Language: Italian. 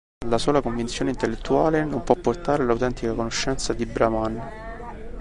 La sola convinzione intellettuale non può portare all'autentica conoscenza di Brahman.